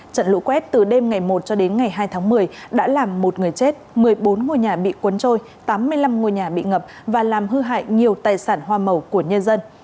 trận lũ quét từ đêm ngày một cho đến ngày hai tháng một mươi đã làm một người chết một mươi bốn ngôi nhà bị cuốn trôi tám mươi năm ngôi nhà bị ngập và làm hư hại nhiều tài sản hoa màu của nhân dân